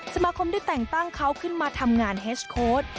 สมาคมได้แต่งตั้งเขาขึ้นมาทำงานเฮสโค้ด